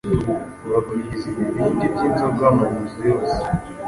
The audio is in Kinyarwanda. bakwiza ibibindi by'inzoga mu nzu yose,